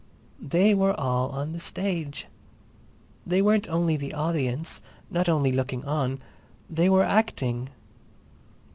They were all on the stage. They weren't only the audience, not only looking on; they were acting.